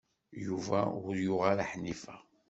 Yuba ur yuɣ ara Ḥnifa.